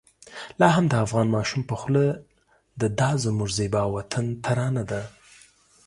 لا هم د افغان ماشوم په خوله د دا زموږ زېبا وطن ترانه ده.